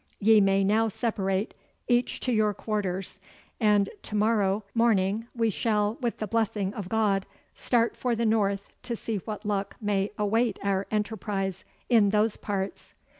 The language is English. Ye may now separate, each to your quarters, and to morrow morning we shall, with the blessing of God, start for the north to see what luck may await our enterprise in those parts.